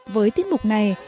với tiết mục này